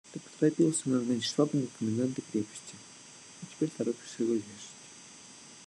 – Ты поторопился назначить Швабрина в коменданты крепости, а теперь торопишься его вешать.